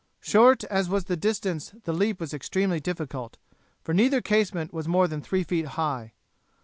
Short as was the distance the leap was extremely difficult, for neither casement was more than three feet high.